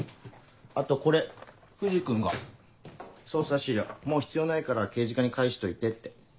あとこれ藤君が捜査資料もう必要ないから刑事課に返しといてって。